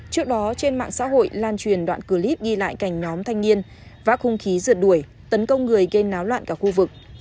trước đó trên mạng xã hội lan truyền đoạn clip ghi lại cảnh nhóm thanh niên vác hung khí rượt đuổi tấn công người gây náo loạn cả khu vực